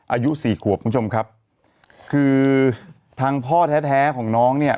อายุสี่ขวบคุณผู้ชมครับคือทางพ่อแท้แท้ของน้องเนี่ย